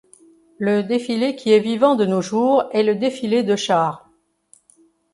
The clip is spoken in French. Le défilé qui est vivant de nos jours est le défilé de chars.